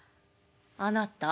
「あなた？